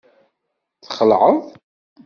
Txelɛeḍ?